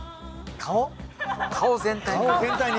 顔全体に。